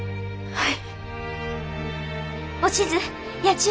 はい。